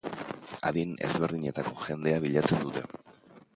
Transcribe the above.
Adin ezberdinetako jendea bilatzen dute.